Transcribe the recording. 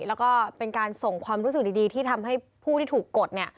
แล้วก็เป็นการส่งความรู้สึกดีที่ทำให้ผู้ที่ถูกกด